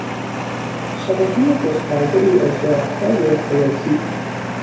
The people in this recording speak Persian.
شبکهی گستردهای از راههای حیاتی